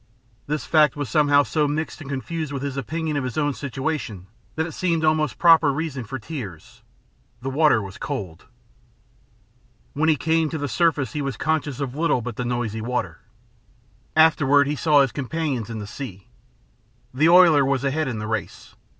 This fact was somehow so mixed and confused with his opinion of his own situation that it seemed almost a proper reason for tears. The water was cold. When he came to the surface he was conscious of little but the noisy water. Afterward he saw his companions in the sea. The oiler was ahead in the race.